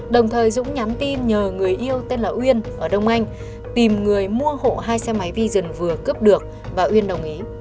đồng thời dũng nhắn tin nhờ người yêu tên là uyên ở đông anh tìm người mua hộ hai xe máy vision vừa cướp được và uyên đồng ý